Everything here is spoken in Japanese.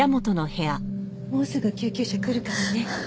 もうすぐ救急車来るからね。